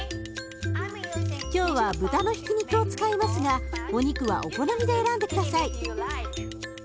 今日は豚のひき肉を使いますがお肉はお好みで選んで下さい。